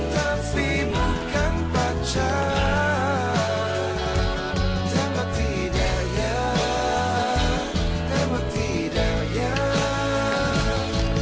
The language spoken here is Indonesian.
terima kasih sudah nonton